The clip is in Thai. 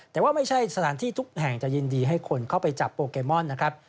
แต่ว่าไม่ใช่สถานที่ทุกแห่งจะยินดีให้คนเข้าไปจับโปเกมอนนะครับ